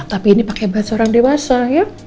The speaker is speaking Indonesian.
gini pake bahasa orang dewasa ya